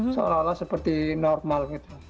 seolah olah seperti normal